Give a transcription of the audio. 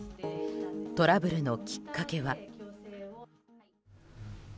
トラブルのきっかけは。